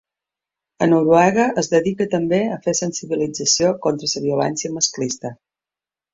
A Noruega es dedica també a fer sensibilització contra la violència masclista.